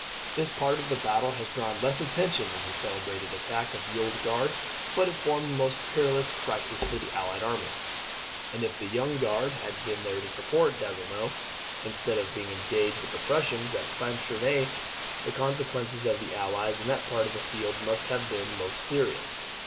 This part of the battle has drawn less attention than the celebrated attack of the Old Guard; but it formed the most perilous crisis for the allied army; and if the Young Guard had been there to support Donzelot, instead of being engaged with the Prussians at Planchenoit, the consequences to the Allies in that part of the field must have been most serious.